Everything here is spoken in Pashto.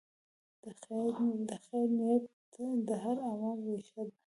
د خیر نیت د هر عمل ریښه ده.